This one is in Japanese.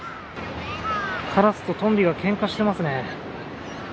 カラスとトンビがけんかしてますね。